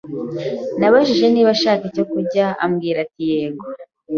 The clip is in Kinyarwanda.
Nabajije niba ashaka icyo kurya arambwira ati yego.